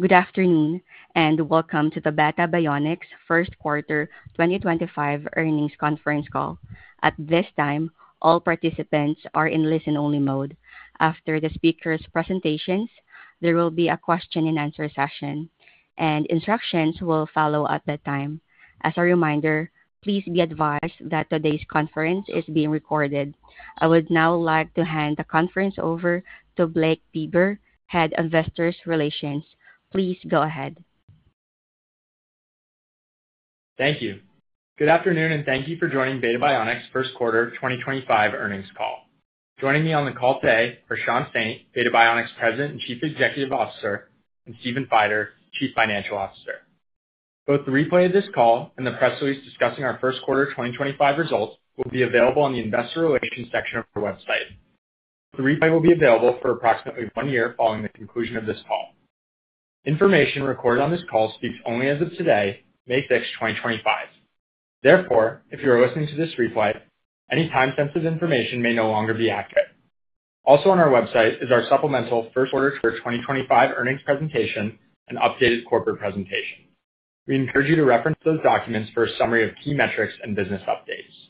Good afternoon, and welcome to the Beta Bionics Q1 2025 earnings conference call. At this time, all participants are in listen-only mode. After the speakers' presentations, there will be a Q&A session, and instructions will follow at that time. As a reminder, please be advised that today's conference is being recorded. I would now like to hand the conference over to Blake Beber, Head of Investor Relations. Please go ahead. Thank you. Good afternoon, and thank you for joining Beta Bionics Q1 2025 earnings call. Joining me on the call today are Sean Saint, Beta Bionics President and Chief Executive Officer, and Stephen Feider, Chief Financial Officer. Both the replay of this call and the press release discussing our Q1 2025 results will be available on the Investor Relations section of our website. The replay will be available for approximately one year following the conclusion of this call. Information recorded on this call speaks only as of today, May 6, 2025. Therefore, if you are listening to this replay, any time-sensitive information may no longer be accurate. Also on our website is our supplemental Q1 2025 earnings presentation and updated corporate presentation. We encourage you to reference those documents for a summary of key metrics and business updates.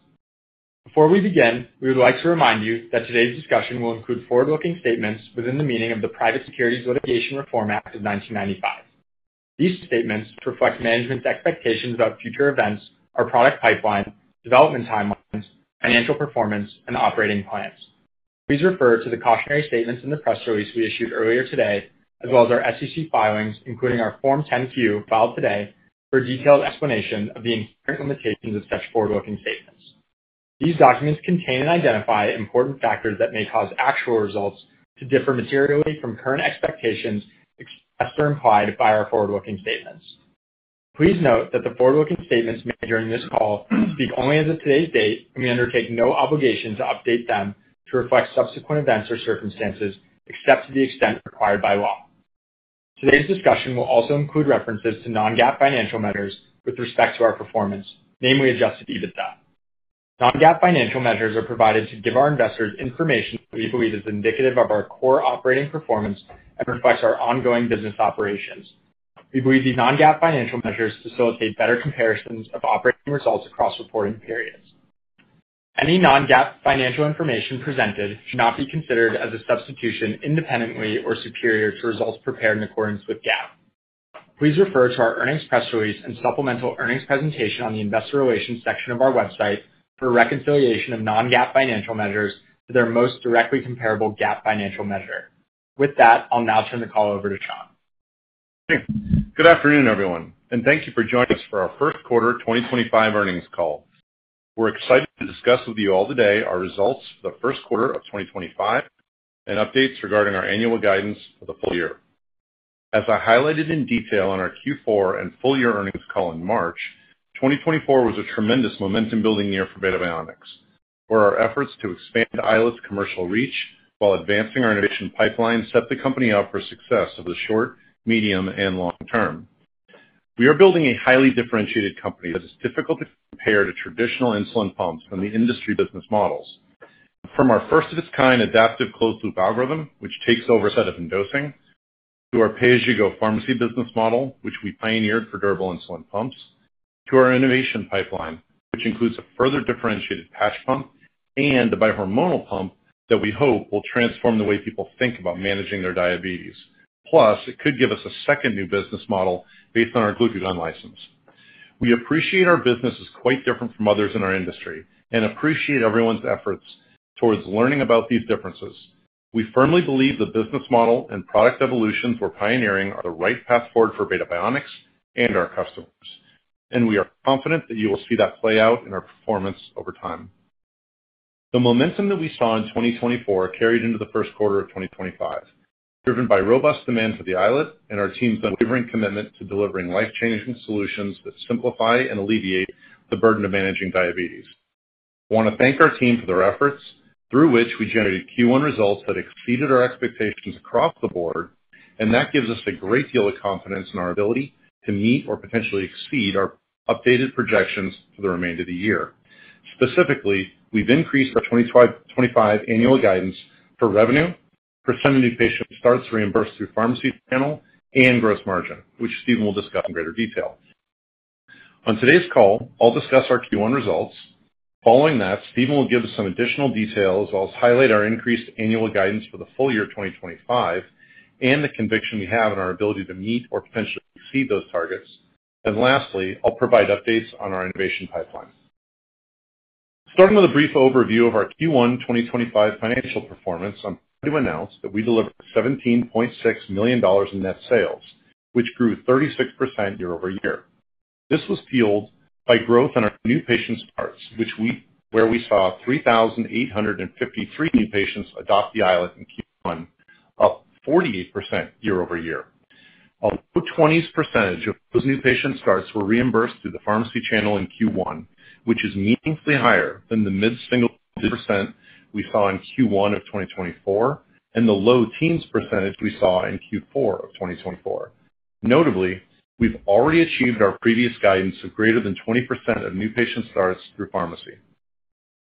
Before we begin, we would like to remind you that today's discussion will include forward-looking statements within the meaning of the Private Securities Litigation Reform Act of 1995. These statements reflect management's expectations about future events, our product pipeline, development timelines, financial performance, and operating plans. Please refer to the cautionary statements in the press release we issued earlier today, as well as our SEC filings, including our Form 10-Q filed today, for a detailed explanation of the inherent limitations of such forward-looking statements. These documents contain and identify important factors that may cause actual results to differ materially from current expectations expressed or implied by our forward-looking statements. Please note that the forward-looking statements made during this call speak only as of today's date, and we undertake no obligation to update them to reflect subsequent events or circumstances except to the extent required by law. Today's discussion will also include references to non-GAAP financial measures with respect to our performance, namely adjusted EBITDA. Non-GAAP financial measures are provided to give our investors information that we believe is indicative of our core operating performance and reflects our ongoing business operations. We believe these non-GAAP financial measures facilitate better comparisons of operating results across reporting periods. Any non-GAAP financial information presented should not be considered as a substitution independently or superior to results prepared in accordance with GAAP. Please refer to our earnings press release and supplemental earnings presentation on the Investor Relations section of our website for reconciliation of non-GAAP financial measures to their most directly comparable GAAP financial measure. With that, I'll now turn the call over to Sean. Thanks. Good afternoon, everyone, and thank you for joining us for our First Quarter 2025 Earnings Call. We're excited to discuss with you all today our results for First Quarter 2025 and updates regarding our annual guidance for the full year. As I highlighted in detail on our Q4 and full-year Earnings Call in March, 2024 was a tremendous momentum-building year for Beta Bionics, where our efforts to expand iLet’s commercial reach while advancing our innovation pipeline set the company up for success over the short, medium, and long term. We are building a highly differentiated company that is difficult to compare to traditional insulin pumps and the industry business models. From our first-of-its-kind adaptive closed-loop algorithm, which takes over a set of endosomes, to our pay-as-you-go pharmacy business model, which we pioneered for durable insulin pumps, to our innovation pipeline, which includes a further differentiated patch pump and a bi-hormonal pump that we hope will transform the way people think about managing their diabetes. Plus, it could give us a second new business model based on our glucagon license. We appreciate our business is quite different from others in our industry and appreciate everyone's efforts towards learning about these differences. We firmly believe the business model and product evolutions we're pioneering are the right path forward for Beta Bionics and our customers, and we are confident that you will see that play out in our performance over time. The momentum that we saw in 2024 carried into First Quarter 2025, driven by robust demand for the iLet and our team's unwavering commitment to delivering life-changing solutions that simplify and alleviate the burden of managing diabetes. I want to thank our team for their efforts, through which we generated Q1 results that exceeded our expectations across the board, and that gives us a great deal of confidence in our ability to meet or potentially exceed our updated projections for the remainder of the year. Specifically, we've increased our 2025 annual guidance for revenue, percentage of new patient starts reimbursed through pharmacy channel, and gross margin, which Stephen will discuss in greater detail. On today's call, I'll discuss our Q1 results. Following that, Stephen will give us some additional detail as well as highlight our increased annual guidance for the full year 2025 and the conviction we have in our ability to meet or potentially exceed those targets. Lastly, I'll provide updates on our innovation pipeline. Starting with a brief overview of our Q1 2025 financial performance, I'm proud to announce that we delivered $17.6 million in net sales, which grew 36% year over year. This was fueled by growth in our new patient starts, where we saw 3,853 new patients adopt the iLet in Q1, up 48% year-over-year. A low 20s % of those new patient starts were reimbursed through the pharmacy channel in Q1, which is meaningfully higher than the mid-single digit percent we saw in Q1 of 2024 and the low-teens percentage we saw in Q4 of 2024. Notably, we've already achieved our previous guidance of greater than 20% of new patient starts through pharmacy.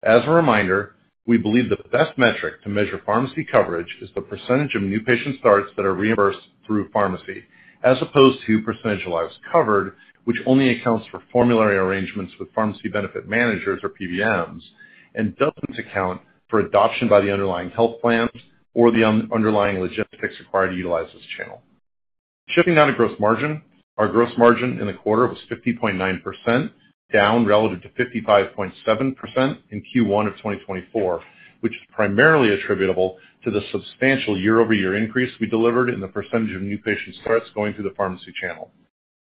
As a reminder, we believe the best metric to measure pharmacy coverage is the percentage of new patient starts that are reimbursed through pharmacy, as opposed to percentage allowance covered, which only accounts for formulary arrangements with pharmacy benefit managers or PBMs and doesn't account for adoption by the underlying health plans or the underlying logistics required to utilize this channel. Shifting now to gross margin, our gross margin in the quarter was 50.9%, down relative to 55.7% in Q1 of 2024, which is primarily attributable to the substantial year-over-year increase we delivered in the percentage of new patient starts going through the pharmacy channel.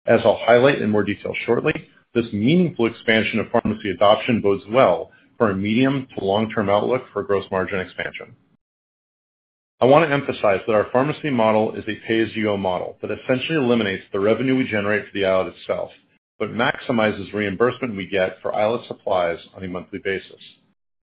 As I'll highlight in more detail shortly, this meaningful expansion of pharmacy adoption bodes well for a medium to long-term outlook for gross margin expansion. I want to emphasize that our pharmacy model is a pay-as-you-go model that essentially eliminates the revenue we generate for the iLet itself but maximizes reimbursement we get for iLet supplies on a monthly basis.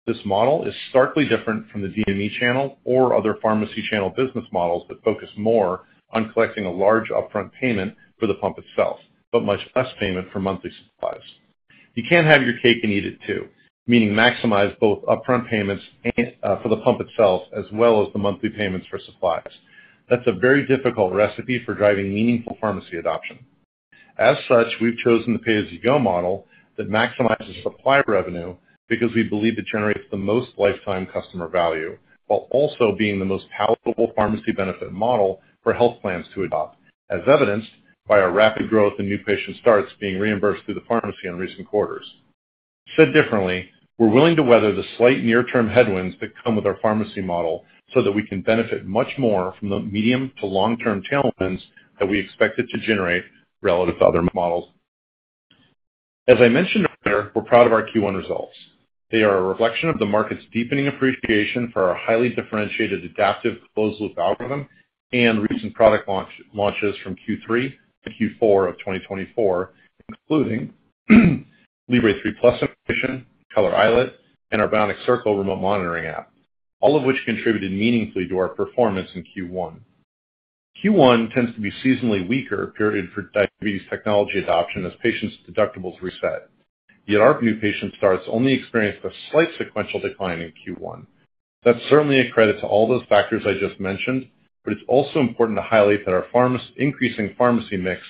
This model is starkly different from the DME channel or other pharmacy channel business models that focus more on collecting a large upfront payment for the pump itself but much less payment for monthly supplies. You can't have your cake and eat it too, meaning maximize both upfront payments for the pump itself as well as the monthly payments for supplies. That's a very difficult recipe for driving meaningful pharmacy adoption. As such, we've chosen the pay-as-you-go model that maximizes supply revenue because we believe it generates the most lifetime customer value while also being the most palatable pharmacy benefit model for health plans to adopt, as evidenced by our rapid growth in new patient starts being reimbursed through the pharmacy in recent quarters. Said differently, we're willing to weather the slight near-term headwinds that come with our pharmacy model so that we can benefit much more from the medium to long-term channel wins that we expect it to generate relative to other models. As I mentioned earlier, we're proud of our Q1 results. They are a reflection of the market's deepening appreciation for our highly differentiated adaptive closed-loop algorithm and recent product launches from Q3 to Q4 of 2024, including Libre 3+ innovation, Color iLet, and our Bionics Circle remote monitoring app, all of which contributed meaningfully to our performance in Q1. Q1 tends to be a seasonally weaker period for diabetes technology adoption as patients' deductibles reset, yet our new patient starts only experienced a slight sequential decline in Q1. That's certainly a credit to all those factors I just mentioned, but it's also important to highlight that our increasing pharmacy mix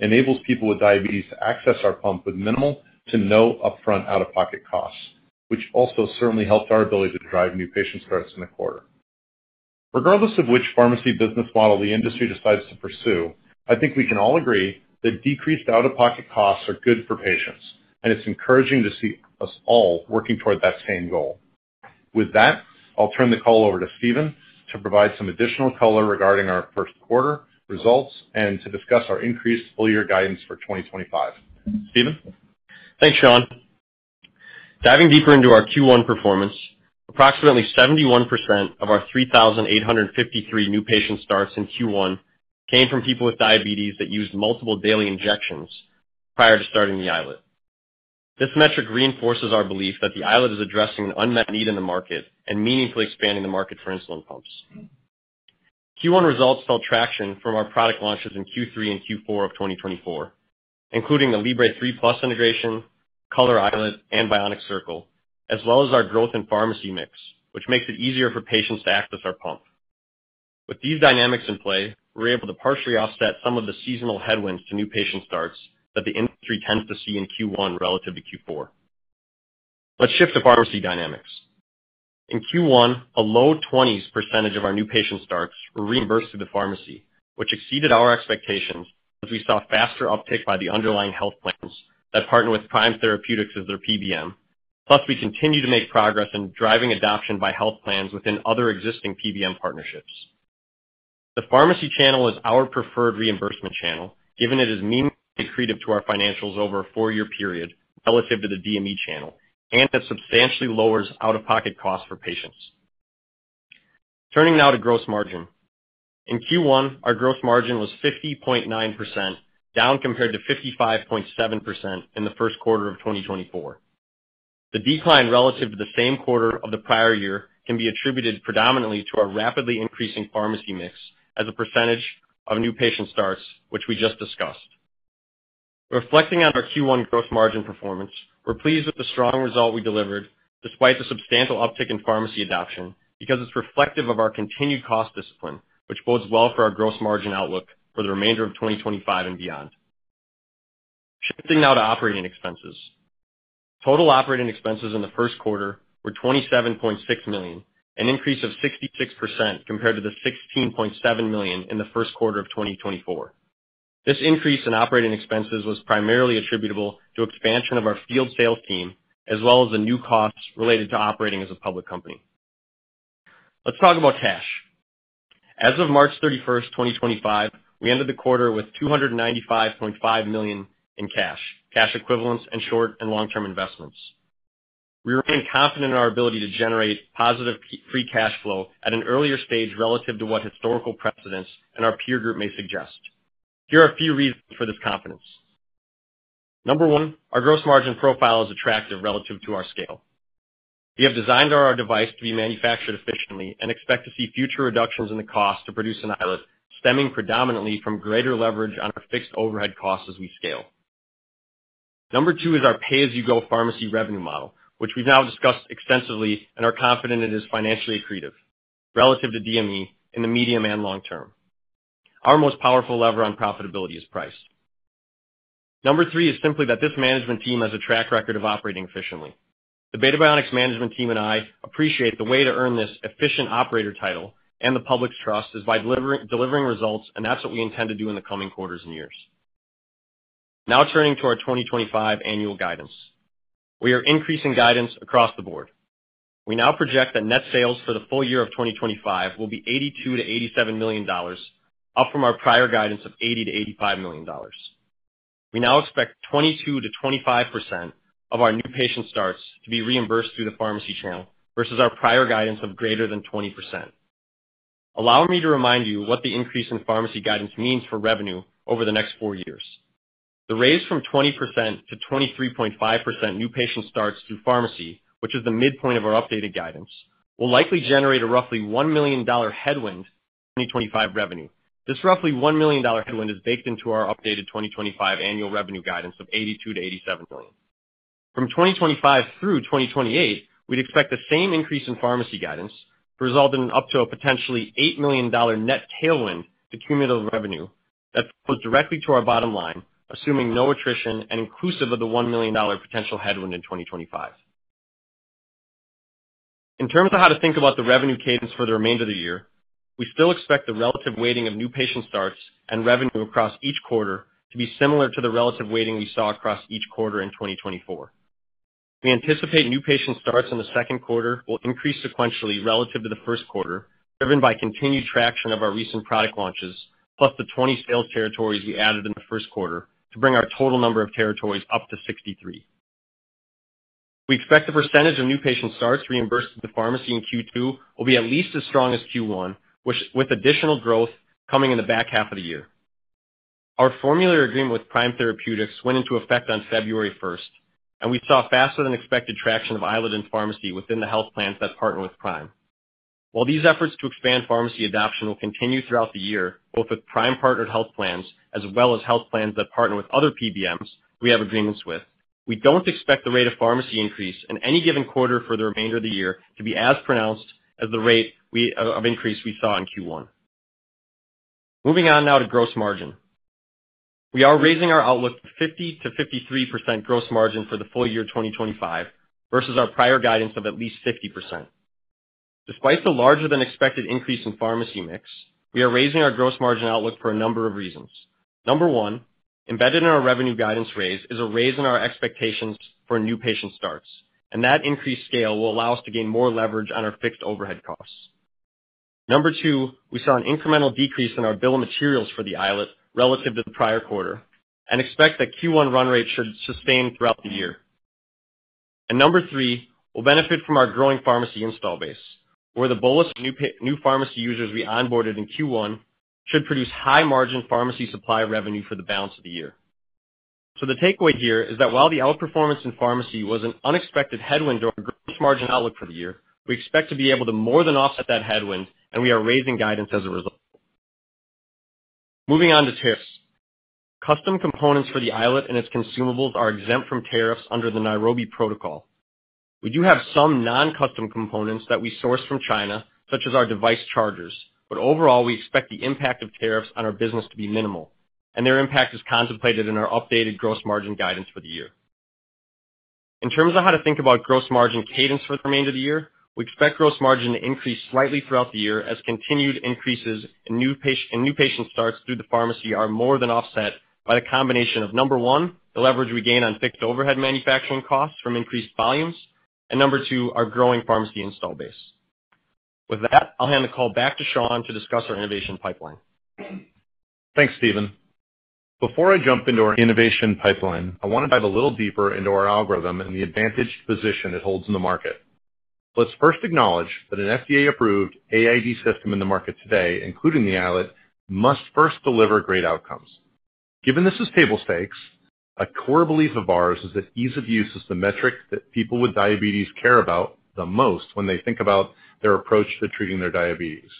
enables people with diabetes to access our pump with minimal to no upfront out-of-pocket costs, which also certainly helped our ability to drive new patient starts in the quarter. Regardless of which pharmacy business model the industry decides to pursue, I think we can all agree that decreased out-of-pocket costs are good for patients, and it's encouraging to see us all working toward that same goal. With that, I'll turn the call over to Stephen to provide some additional color regarding our Q1 results and to discuss our increased full-year guidance for 2025. Stephen? Thanks, Sean. Diving deeper into our Q1 performance, approximately 71% of our 3,853 new patient starts in Q1 came from people with diabetes that used multiple daily injections prior to starting the iLet. This metric reinforces our belief that the iLet is addressing an unmet need in the market and meaningfully expanding the market for insulin pumps. Q1 results felt traction from our product launches in Q3 and Q4 of 2024, including the Libre 3+ integration, Color iLet, and Bionics Circle, as well as our growth in pharmacy mix, which makes it easier for patients to access our pump. With these dynamics in play, we're able to partially offset some of the seasonal headwinds to new patient starts that the industry tends to see in Q1 relative to Q4. Let's shift to pharmacy dynamics. In Q1, a low 20s percentage of our new patient starts were reimbursed through the pharmacy, which exceeded our expectations as we saw faster uptake by the underlying health plans that partner with Prime Therapeutics as their PBM, plus we continue to make progress in driving adoption by health plans within other existing PBM partnerships. The pharmacy channel is our preferred reimbursement channel given it is meaningfully accretive to our financials over a four-year period relative to the DME channel and it substantially lowers out-of-pocket costs for patients. Turning now to gross margin. In Q1, our gross margin was 50.9%, down compared to 55.7% in the first of 2024. The decline relative to the same quarter of the prior year can be attributed predominantly to our rapidly increasing pharmacy mix as a percentage of new patient starts, which we just discussed. Reflecting on our Q1 gross margin performance, we're pleased with the strong result we delivered despite the substantial uptake in pharmacy adoption because it's reflective of our continued cost discipline, which bodes well for our gross margin outlook for the remainder of 2025 and beyond. Shifting now to operating expenses. Total operating expenses in the first quarter were $27.6 million, an increase of 66% compared to the $16.7 million in the first quarter of 2024. This increase in operating expenses was primarily attributable to expansion of our field sales team as well as the new costs related to operating as a public company. Let's talk about cash. As of March 31st, 2025, we ended the quarter with $295.5 million in cash, cash equivalents, and short and long-term investments. We remain confident in our ability to generate positive free cash flow at an earlier stage relative to what historical precedents and our peer group may suggest. Here are a few reasons for this confidence. Number one, our gross margin profile is attractive relative to our scale. We have designed our device to be manufactured efficiently and expect to see future reductions in the cost to produce an iLet, stemming predominantly from greater leverage on our fixed overhead costs as we scale. Number two is our pay-as-you-go pharmacy revenue model, which we've now discussed extensively and are confident it is financially accretive relative to DME in the medium and long term. Our most powerful lever on profitability is price. Number three is simply that this management team has a track record of operating efficiently. The Beta Bionics management team and I appreciate the way to earn this efficient operator title and the public's trust is by delivering results, and that's what we intend to do in the coming quarters and years. Now turning to our 2025 annual guidance. We are increasing guidance across the board. We now project that net sales for the full year of 2025 will be $82 to $87 million, up from our prior guidance of $80 to $85 million. We now expect 22% to 25% of our new patient starts to be reimbursed through the pharmacy channel versus our prior guidance of greater than 20%. Allow me to remind you what the increase in pharmacy guidance means for revenue over the next four years. The raise from 20% to 23.5% new patient starts through pharmacy, which is the midpoint of our updated guidance, will likely generate a roughly $1 million headwind in 2025 revenue. This roughly $1 million headwind is baked into our updated 2025 annual revenue guidance of $82 to $87 million. From 2025 through 2028, we'd expect the same increase in pharmacy guidance to result in up to a potentially $8 million net tailwind to cumulative revenue that flows directly to our bottom line, assuming no attrition and inclusive of the $1 million potential headwind in 2025. In terms of how to think about the revenue cadence for the remainder of the year, we still expect the relative weighting of new patient starts and revenue across each quarter to be similar to the relative weighting we saw across each quarter in 2024. We anticipate new patient starts in the second quarter will increase sequentially relative to the first quarter, driven by continued traction of our recent product launches, plus the 20 sales territories we added in the first quarter to bring our total number of territories up to 63. We expect the percentage of new patient starts reimbursed through the pharmacy in Q2 will be at least as strong as Q1, with additional growth coming in the back half of the year. Our formulary agreement with Prime Therapeutics went into effect on February 1st, and we saw faster-than-expected traction of iLet in pharmacy within the health plans that partner with Prime. While these efforts to expand pharmacy adoption will continue throughout the year, both with Prime-partnered health plans as well as health plans that partner with other PBMs we have agreements with, we don't expect the rate of pharmacy increase in any given quarter for the remainder of the year to be as pronounced as the rate of increase we saw in Q1. Moving on now to gross margin. We are raising our outlook to 50% to 53% gross margin for the full year 2025 versus our prior guidance of at least 50%. Despite the larger-than-expected increase in pharmacy mix, we are raising our gross margin outlook for a number of reasons. Number one, embedded in our revenue guidance raise is a raise in our expectations for new patient starts, and that increased scale will allow us to gain more leverage on our fixed overhead costs. Number two, we saw an incremental decrease in our bill of materials for the iLet relative to the prior quarter and expect that Q1 run rate should sustain throughout the year. Number three, we'll benefit from our growing pharmacy install base, where the bolus of new pharmacy users we onboarded in Q1 should produce high-margin pharmacy supply revenue for the balance of the year. The takeaway here is that while the outperformance in pharmacy was an unexpected headwind to our gross margin outlook for the year, we expect to be able to more than offset that headwind, and we are raising guidance as a result. Moving on to tariffs, custom components for the iLet and its consumables are exempt from tariffs under the Nairobi Protocol. We do have some non-custom components that we source from China, such as our device chargers, but overall, we expect the impact of tariffs on our business to be minimal, and their impact is contemplated in our updated gross margin guidance for the year. In terms of how to think about gross margin cadence for the remainder of the year, we expect gross margin to increase slightly throughout the year as continued increases in new patient starts through the pharmacy are more than offset by the combination of, number one, the leverage we gain on fixed overhead manufacturing costs from increased volumes, and number two, our growing pharmacy install base. With that, I'll hand the call back to Sean to discuss our innovation pipeline. Thanks, Stephen. Before I jump into our innovation pipeline, I want to dive a little deeper into our algorithm and the advantage position it holds in the market. Let's first acknowledge that an FDA-approved AID system in the market today, including the iLet, must first deliver great outcomes. Given this is table stakes, a core belief of ours is that ease of use is the metric that people with diabetes care about the most when they think about their approach to treating their diabetes.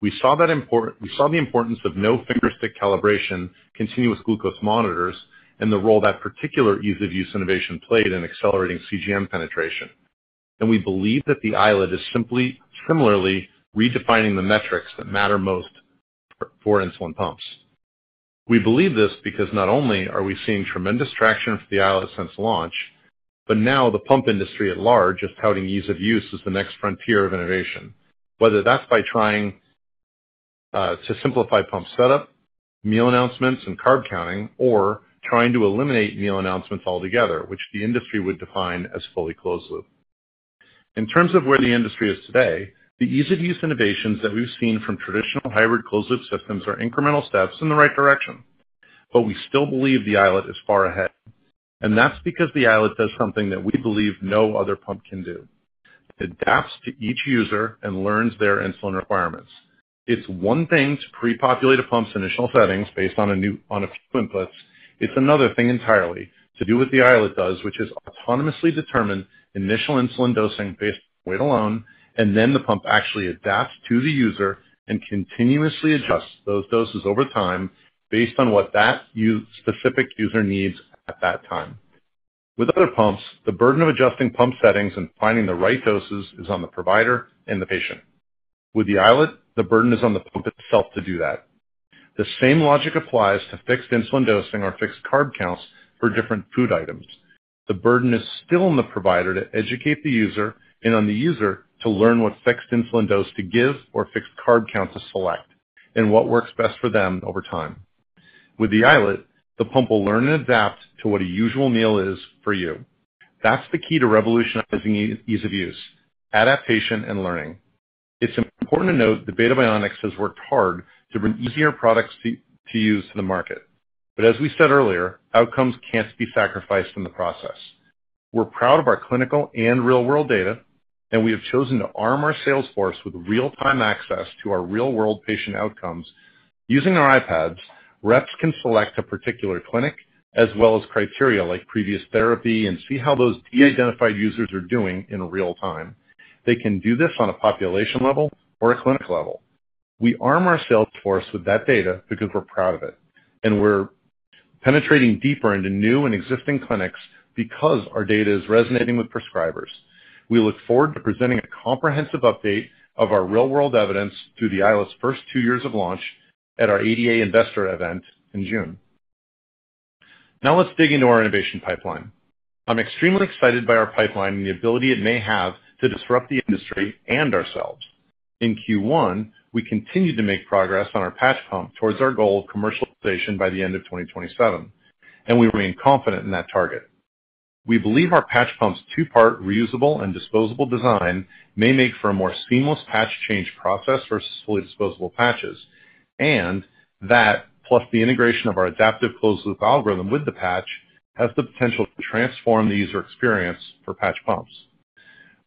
We saw the importance of no fingerstick calibration, continuous glucose monitors, and the role that particular ease of use innovation played in accelerating CGM penetration. We believe that the iLet is simply similarly redefining the metrics that matter most for insulin pumps. We believe this because not only are we seeing tremendous traction for the iLet since launch, but now the pump industry at large is touting ease of use as the next frontier of innovation, whether that's by trying to simplify pump setup, meal announcements, and carb counting, or trying to eliminate meal announcements altogether, which the industry would define as fully closed-loop. In terms of where the industry is today, the ease of use innovations that we've seen from traditional hybrid closed-loop systems are incremental steps in the right direction, but we still believe the iLet is far ahead, and that's because the iLet does something that we believe no other pump can do. It adapts to each user and learns their insulin requirements. It's one thing to pre-populate a pump's initial settings based on a new amount of inputs. It's another thing entirely to do what the iLet does, which is autonomously determine initial insulin dosing based on weight alone, and then the pump actually adapts to the user and continuously adjusts those doses over time based on what that specific user needs at that time. With other pumps, the burden of adjusting pump settings and finding the right doses is on the provider and the patient. With the iLet, the burden is on the pump itself to do that. The same logic applies to fixed insulin dosing or fixed carb counts for different food items. The burden is still on the provider to educate the user and on the user to learn what fixed insulin dose to give or fixed carb count to select and what works best for them over time. With the iLet, the pump will learn and adapt to what a usual meal is for you. That's the key to revolutionizing ease of use: adaptation and learning. It's important to note that Beta Bionics has worked hard to bring easier products to use to the market. As we said earlier, outcomes can't be sacrificed in the process. We're proud of our clinical and real-world data, and we have chosen to arm our salesforce with real-time access to our real-world patient outcomes. Using our iPads, reps can select a particular clinic as well as criteria like previous therapy and see how those de-identified users are doing in real time. They can do this on a population level or a clinic level. We arm our salesforce with that data because we're proud of it, and we're penetrating deeper into new and existing clinics because our data is resonating with prescribers. We look forward to presenting a comprehensive update of our real-world evidence through the iLet's first two years of launch at our ADA Investor Event in June. Now let's dig into our innovation pipeline. I'm extremely excited by our pipeline and the ability it may have to disrupt the industry and ourselves. In Q1, we continued to make progress on our patch pump towards our goal of commercialization by the end of 2027, and we remain confident in that target. We believe our patch pump's two-part reusable and disposable design may make for a more seamless patch change process versus fully disposable patches, and that, plus the integration of our adaptive closed-loop algorithm with the patch, has the potential to transform the user experience for patch pumps.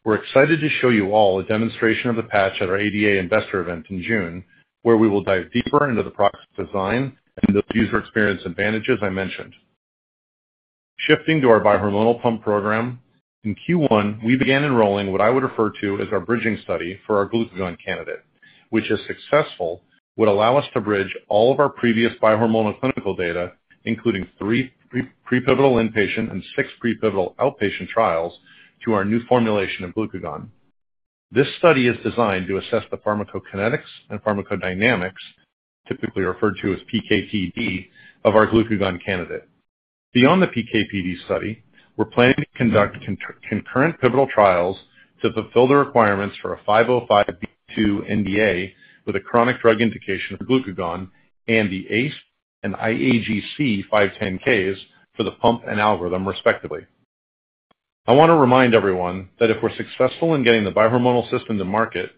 We're excited to show you all a demonstration of the patch at our ADA Investor Event in June, where we will dive deeper into the product's design and those user experience advantages I mentioned. Shifting to our bi-hormonal pump program, in Q1, we began enrolling what I would refer to as our bridging study for our glucagon candidate, which, if successful, would allow us to bridge all of our previous bi-hormonal clinical data, including three pre-pivotal inpatient and six pre-pivotal outpatient trials, to our new formulation of glucagon. This study is designed to assess the pharmacokinetics and pharmacodynamics, typically referred to as PKPD, of our glucagon candidate. Beyond the PKPD study, we're planning to conduct concurrent pivotal trials to fulfill the requirements for a 505(b)(2) NDA with a chronic drug indication for glucagon and the ACE and IAGC 510(k)s for the pump and algorithm, respectively. I want to remind everyone that if we're successful in getting the bi-hormonal system to market,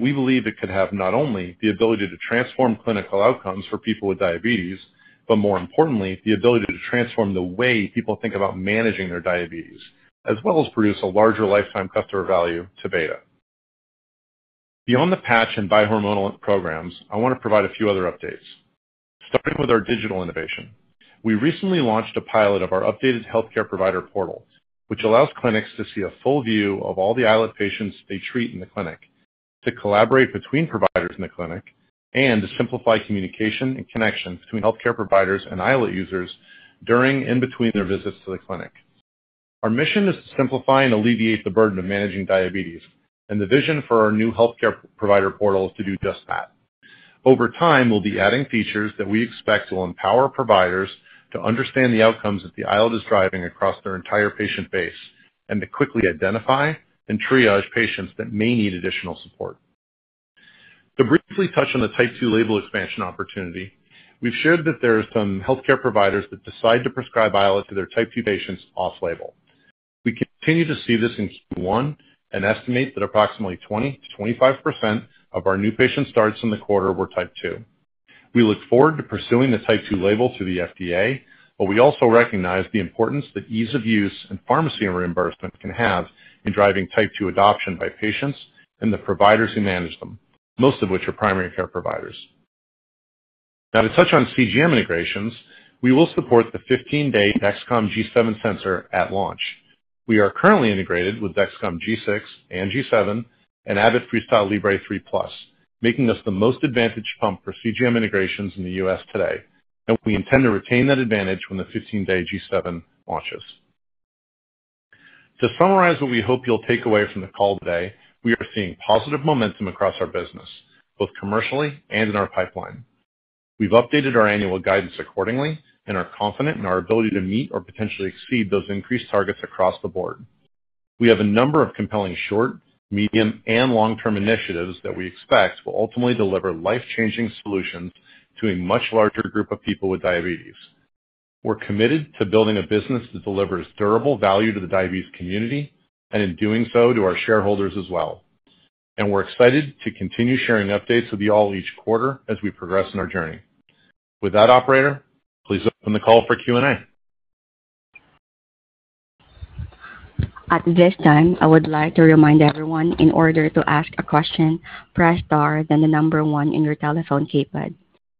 we believe it could have not only the ability to transform clinical outcomes for people with diabetes, but more importantly, the ability to transform the way people think about managing their diabetes, as well as produce a larger lifetime customer value to Beta. Beyond the patch and bi-hormonal programs, I want to provide a few other updates, starting with our digital innovation. We recently launched a pilot of our updated healthcare provider portal, which allows clinics to see a full view of all the iLet patients they treat in the clinic, to collaborate between providers in the clinic, and to simplify communication and connection between healthcare providers and iLet users during and between their visits to the clinic. Our mission is to simplify and alleviate the burden of managing diabetes, and the vision for our new healthcare provider portal is to do just that. Over time, we'll be adding features that we expect will empower providers to understand the outcomes that the iLet is driving across their entire patient base and to quickly identify and triage patients that may need additional support. To briefly touch on the type 2 label expansion opportunity, we've shared that there are some healthcare providers that decide to prescribe iLet to their type 2 patients off-label. We continue to see this in Q1 and estimate that approximately 20%, 25% of our new patient starts in the quarter were type 2. We look forward to pursuing the type 2 label through the FDA, but we also recognize the importance that ease of use and pharmacy reimbursement can have in driving type 2 adoption by patients and the providers who manage them, most of which are primary care providers. Now, to touch on CGM integrations, we will support the 15-day Dexcom G7 sensor at launch. We are currently integrated with Dexcom G6 and G7 and Abbott Freestyle Libre 3+, making us the most advantaged pump for CGM integrations in the US today, and we intend to retain that advantage when the 15-day G7 launches. To summarize what we hope you'll take away from the call today, we are seeing positive momentum across our business, both commercially and in our pipeline. We've updated our annual guidance accordingly and are confident in our ability to meet or potentially exceed those increased targets across the board. We have a number of compelling short, medium, and long-term initiatives that we expect will ultimately deliver life-changing solutions to a much larger group of people with diabetes. We're committed to building a business that delivers durable value to the diabetes community and, in doing so, to our shareholders as well. We are excited to continue sharing updates with you all each quarter as we progress in our journey. With that, operator, please open the call for Q&A. At this time, I would like to remind everyone in order to ask a question, press star then the number one on your telephone keypad.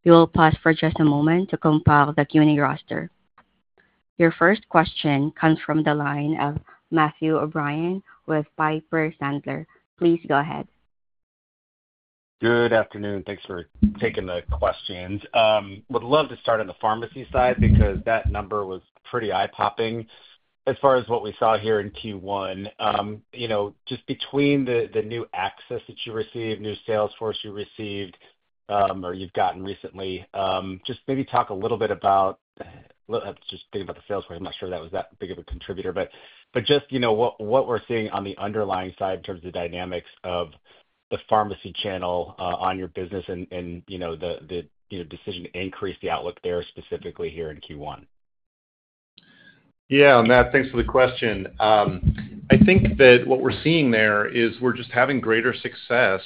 We will pause for just a moment to compile the Q&A roster. Your first question comes from the line of Matthew O'Brien with Piper Sandler. Please go ahead. Good afternoon. Thanks for taking the questions. Would love to start on the pharmacy side because that number was pretty eye-popping as far as what we saw here in Q1. Just between the new access that you received, new salesforce you received or you have gotten recently, just maybe talk a little bit about just thinking about the salesforce. I am not sure that was that big of a contributor, but just what we are seeing on the underlying side in terms of the dynamics of the pharmacy channel on your business and the decision to increase the outlook there specifically here in Q1. Yeah, on that, thanks for the question. I think that what we're seeing there is we're just having greater success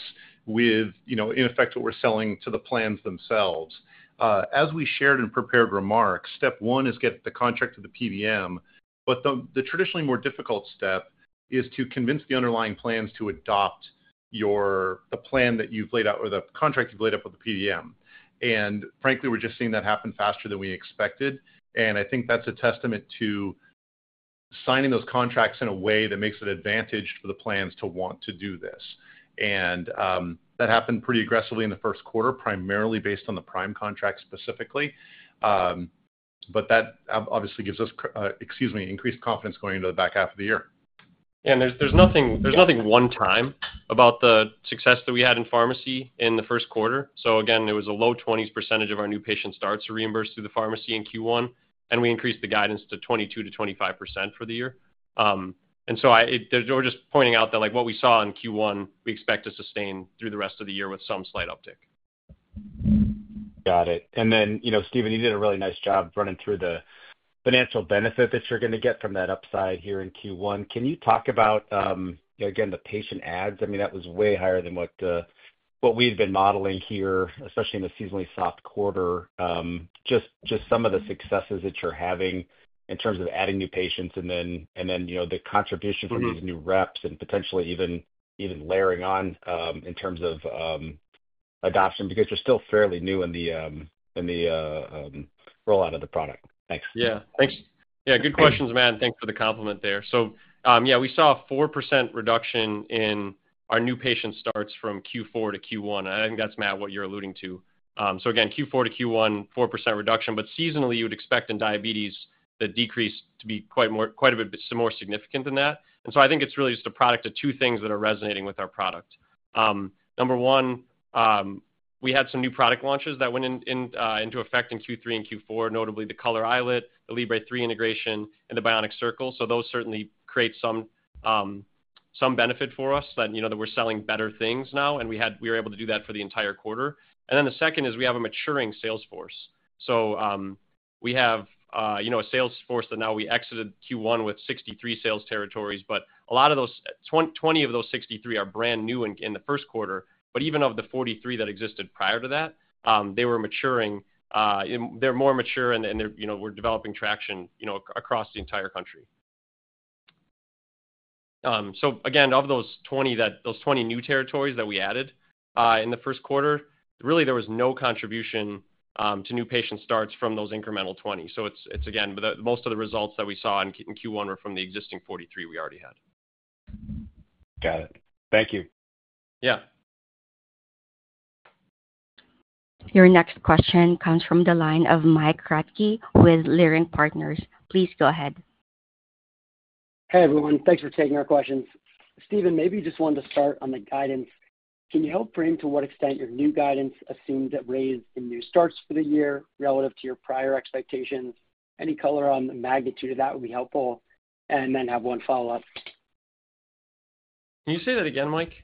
with, in effect, what we're selling to the plans themselves. As we shared in prepared remarks, step one is to get the contract to the PBM, but the traditionally more difficult step is to convince the underlying plans to adopt the plan that you've laid out or the contract you've laid up with the PBM. Frankly, we're just seeing that happen faster than we expected, and I think that's a testament to signing those contracts in a way that makes it advantage for the plans to want to do this. That happened pretty aggressively in the first quarter, primarily based on the Prime contract specifically, but that obviously gives us, excuse me, increased confidence going into the back half of the year. Yeah, there's nothing one-time about the success that we had in pharmacy in the first quarter. Again, there was a low 20s percentage of our new patient starts to reimburse through the pharmacy in Q1, and we increased the guidance to 22% to 25% for the year. We are just pointing out that what we saw in Q1, we expect to sustain through the rest of the year with some slight uptick. Got it. Stephen, you did a really nice job running through the financial benefit that you're going to get from that upside here in Q1. Can you talk about, again, the patient adds? I mean, that was way higher than what we've been modeling here, especially in the seasonally soft quarter, just some of the successes that you're having in terms of adding new patients and then the contribution from these new reps and potentially even layering on in terms of adoption because you're still fairly new in the rollout of the product. Thanks. Yeah. Thanks. Yeah, good questions, Matt. And thanks for the compliment there. Yeah, we saw a 4% reduction in our new patient starts from Q4 to Q1. I think that's, Matt, what you're alluding to. Q4 to Q1, 4% reduction, but seasonally, you would expect in diabetes the decrease to be quite a bit more significant than that. I think it's really just a product of two things that are resonating with our product. Number one, we had some new product launches that went into effect in Q3 and Q4, notably the Color iLet, the Libre 3 integration, and the Bionics Circle. Those certainly create some benefit for us that we're selling better things now, and we were able to do that for the entire quarter. The second is we have a maturing salesforce. We have a salesforce that now we exited Q1 with 63 sales territories, but a lot of those, 20 of those 63 are brand new in the first quarter, but even of the 43 that existed prior to that, they were maturing. They're more mature, and we're developing traction across the entire country. Again, of those 20 new territories that we added in the first quarter, really, there was no contribution to new patient starts from those incremental 20. It's, again, most of the results that we saw in Q1 were from the existing 43 we already had. Got it. Thank you. Yeah. Your next question comes from the line of Mike Kratky with Leerink Partners. Please go ahead. Hey, everyone. Thanks for taking our questions. Stephen, maybe just wanted to start on the guidance. Can you help frame to what extent your new guidance assumed that raise in new starts for the year relative to your prior expectations? Any color on the magnitude of that would be helpful. I have one follow-up. Can you say that again, Mike?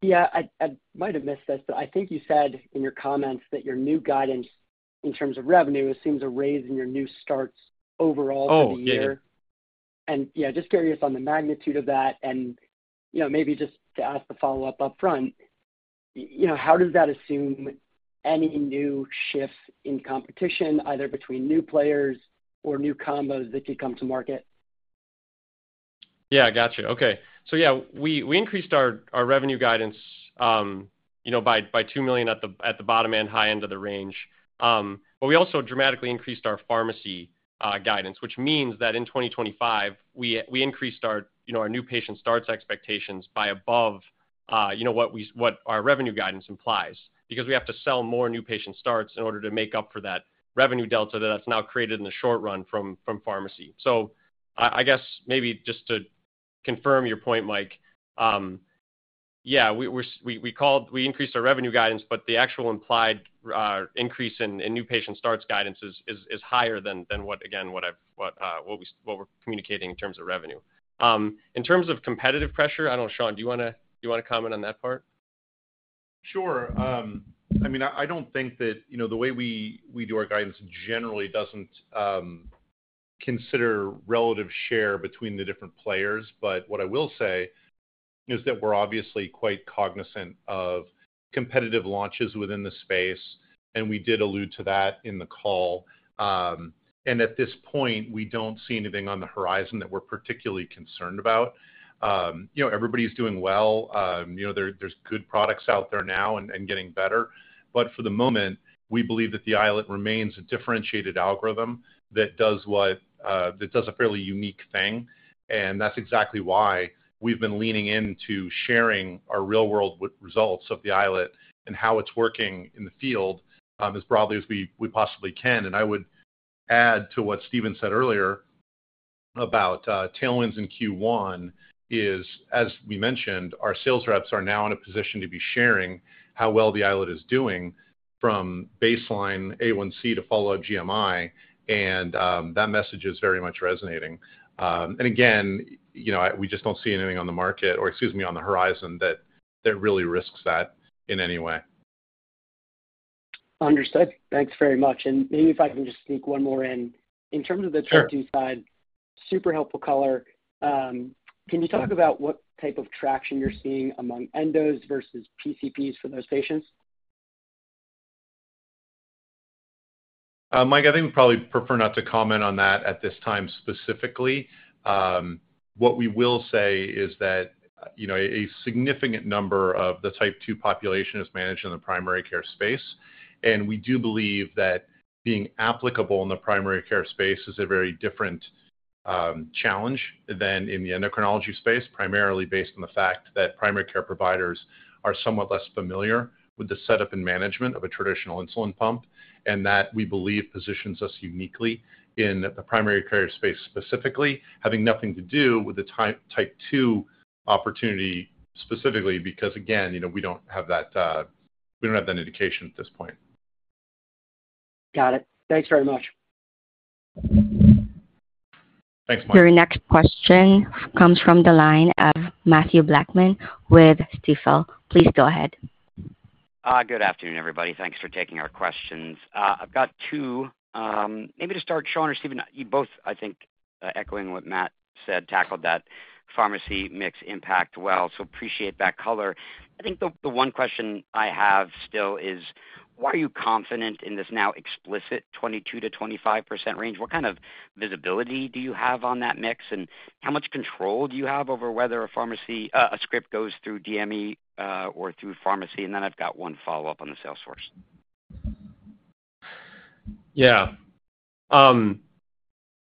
Yeah, I might have missed this, but I think you said in your comments that your new guidance in terms of revenue assumes a raise in your new starts overall for the year. Yeah, just curious on the magnitude of that. Maybe just to ask the follow-up upfront, how does that assume any new shifts in competition, either between new players or new combos that could come to market? Yeah, I got you. Okay. So yeah, we increased our revenue guidance by $2 million at the bottom and high end of the range, but we also dramatically increased our pharmacy guidance, which means that in 2025, we increased our new patient starts expectations by above what our revenue guidance implies because we have to sell more new patient starts in order to make up for that revenue delta that's now created in the short run from pharmacy. I guess maybe just to confirm your point, Mike, yeah, we increased our revenue guidance, but the actual implied increase in new patient starts guidance is higher than, again, what we're communicating in terms of revenue. In terms of competitive pressure, I do not know, Sean, do you want to comment on that part? Sure. I mean, I don't think that the way we do our guidance generally doesn't consider relative share between the different players, but what I will say is that we're obviously quite cognizant of competitive launches within the space, and we did allude to that in the call. At this point, we don't see anything on the horizon that we're particularly concerned about. Everybody's doing well. There's good products out there now and getting better. For the moment, we believe that the iLet remains a differentiated algorithm that does a fairly unique thing. That's exactly why we've been leaning into sharing our real-world results of the iLet and how it's working in the field as broadly as we possibly can. I would add to what Stephen said earlier about tailwinds in Q1 is, as we mentioned, our sales reps are now in a position to be sharing how well the iLet is doing from baseline A1C to follow-GMI, and that message is very much resonating. Again, we just do not see anything on the market, or excuse me, on the horizon that really risks that in any way. Understood. Thanks very much. Maybe if I can just sneak one more in. In terms of the type 2 side, super helpful color. Can you talk about what type of traction you're seeing among endos versus PCPs for those patients? Mike, I think we'd probably prefer not to comment on that at this time specifically. What we will say is that a significant number of the type 2 population is managed in the primary care space, and we do believe that being applicable in the primary care space is a very different challenge than in the endocrinology space, primarily based on the fact that primary care providers are somewhat less familiar with the setup and management of a traditional insulin pump, and that we believe positions us uniquely in the primary care space specifically, having nothing to do with the type 2 opportunity specifically because, again, we don't have that indication at this point. Got it. Thanks very much. Thanks, Mike. Your next question comes from the line of Matthew Blackman with Stifel. Please go ahead. Good afternoon, everybody. Thanks for taking our questions. I've got two. Maybe to start, Sean or Stephen, you both, I think, echoing what Matt said, tackled that pharmacy mix impact well. So appreciate that color. I think the one question I have still is, why are you confident in this now explicit 22% to 25% range? What kind of visibility do you have on that mix, and how much control do you have over whether a script goes through DME or through pharmacy? And then I've got one follow-up on the salesforce. Yeah.